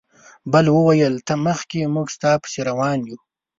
بل وویل ته مخکې موږ ستا پسې روان یو.